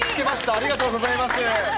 ありがとうございます。